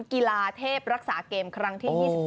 กีฬาเทพรักษาเกมครั้งที่๒๙